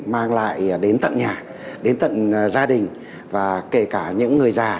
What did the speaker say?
mang lại đến tận nhà đến tận gia đình và kể cả những người già